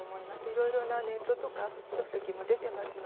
いろいろなネットとか書籍も出ています。